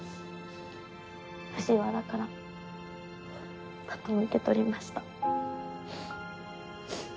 藤原からバトンを受け取りました。